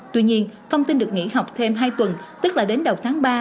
tuy nhiên thông tin được nghỉ học thêm hai tuần tức là đến đầu tháng ba